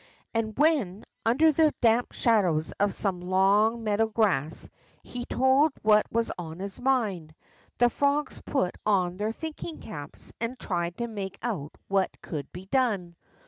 And when, under the damp shadows of some long meadow grass, he told what was on his mind. REJOICING AT THE MARSH 75 the frogs put on their thinking caps and tried to make out what could be done.